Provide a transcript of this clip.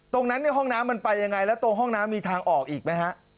ตรงนั้นในห้องน้ำมันไปยังไงแล้วตรงห้องน้ำมีทางออกอีกไหมฮะ